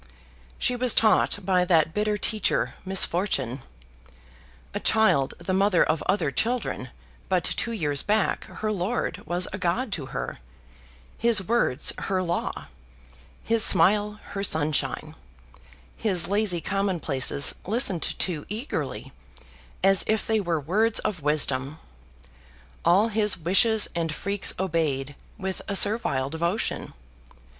She was taught by that bitter teacher Misfortune. A child the mother of other children, but two years back her lord was a god to her; his words her law; his smile her sunshine; his lazy commonplaces listened to eagerly, as if they were words of wisdom all his wishes and freaks obeyed with a servile devotion.